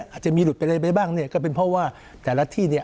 อาจจะมีหลุดไปอะไรไปบ้างเนี่ยก็เป็นเพราะว่าแต่ละที่เนี่ย